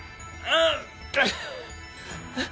あっ！